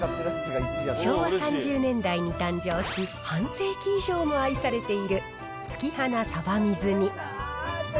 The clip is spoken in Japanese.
昭和３０年代に誕生し、半世紀以上も愛されている月花さば水煮。